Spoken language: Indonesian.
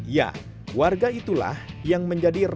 ya warga itulah yang menjadi rela